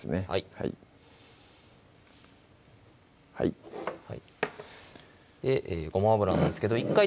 はいはいごま油なんですけど１回